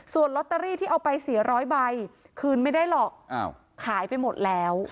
ส่วนลอตเตอรี่ที่เอาไป๔๐๐ใบคืนไม่ได้หรอกขายไปหมดแล้ว